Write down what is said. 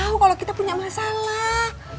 gak usah tau kalo kita punya masalah